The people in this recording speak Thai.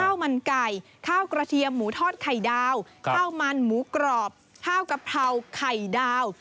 ข้าวมันไก่ข้าวกระเทียมหมูทอดไข่ดาวข้าวมันหมูกรอบข้าวกะเพราไข่ดาว